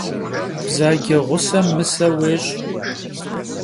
Bzace ğusem mıse vuêş'.